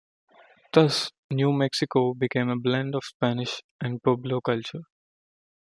Thus, New Mexico became a blend of Spanish and Pueblo culture.